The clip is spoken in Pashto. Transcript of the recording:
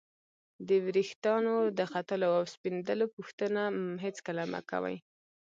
د ورېښتانو د ختلو او سپینېدلو پوښتنه هېڅکله مه کوئ!